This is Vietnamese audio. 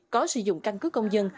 có sử dụng căn cứ công dân